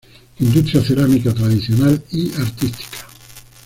Industria cerámica tradicional y artística.